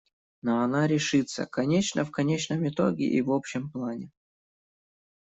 Но она решится, конечно, в конечном итоге и в общем плане.